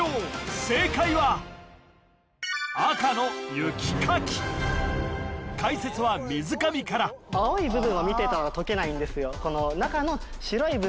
正解は赤のユキカキ解説は水上から青い部分を見てたら解けないんですよ